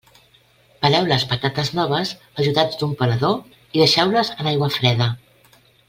Peleu les patates noves ajudats d'un pelador i deixeu-les en aigua freda.